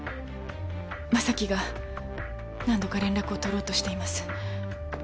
将貴が何度か連絡を取ろうとしています。